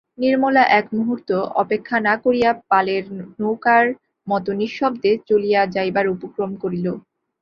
নির্মলা এক মুহূর্ত অপেক্ষা না করিয়া পালের নৌকার মতো নিঃশব্দে চলিয়া যাইবার উপক্রম করিল।